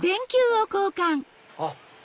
あっ！